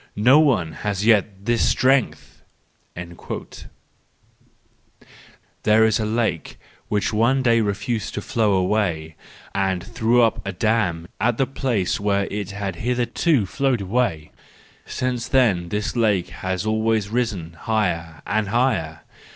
No one has yet had this strength! "—There is a lake which one day refused to flow away, and threw up a dam at the place where it had hitherto flowed away : since then this lake has always risen higher and higher.